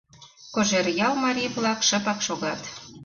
Кожеръял марий-влак шыпак шогат.